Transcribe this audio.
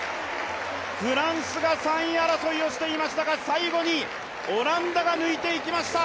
フランスが３位争いをしていましたが、最後にオランダが抜いていきました。